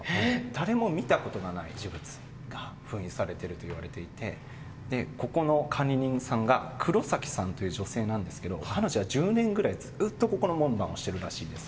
誰も見たことがない呪物が封印されているということでここの管理人さんが黒崎さんという女性なんですが彼女は１０年ぐらいずっとここの門番をしているらしいんです。